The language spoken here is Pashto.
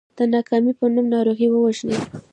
د ناکامۍ په نوم ناروغي ووژنئ .